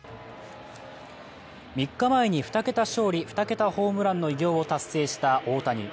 ３日前に２桁勝利・２桁ホームランの偉業を達成した大谷。